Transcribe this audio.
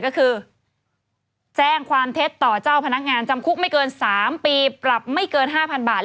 ก็คือแจ้งความเท็จต่อเจ้าพนักงานจำคุกไม่เกิน๓ปีปรับไม่เกิน๕๐๐๐บาท